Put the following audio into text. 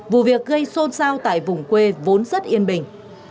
vụ việc gây xôn xao tại vùng quê vốn rất yên bình